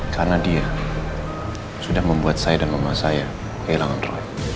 karena dia sudah membuat saya dan mama saya kehilangan roi